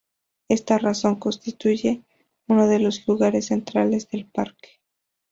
Esta zona constituye uno de los lugares centrales del parque.